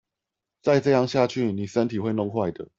再這樣下去妳身體會弄壞的